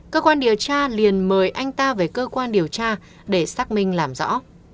cơ quan điều tra liền mời anh ta về cơ quan điều tra để xác minh làm rõ